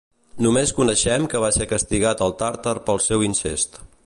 Només coneixem que va ser castigat al Tàrtar pel seu incest.